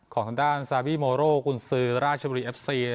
ของทางด้านซาบีโมโร่กุญซือราชบุรีเอฟซี